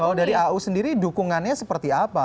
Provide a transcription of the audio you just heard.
kalau dari au sendiri dukungannya seperti apa